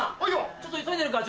ちょっと急いでるから。